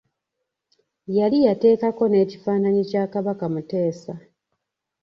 Yali yateekako n’ekifaananyi kya Kabaka Mutebi.